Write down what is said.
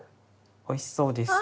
おいしそうです。